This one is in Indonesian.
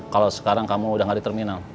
kalau sekarang kamu udah nggak di terminal